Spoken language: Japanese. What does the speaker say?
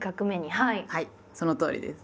はいそのとおりです。